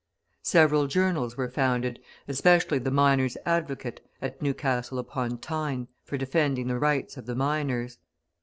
Several journals were founded, especially the Miners' Advocate, at Newcastle upon Tyne, for defending the rights of the miners.